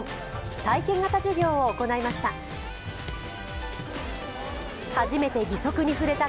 体験型授業を行いました。